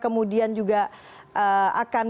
kemudian juga akan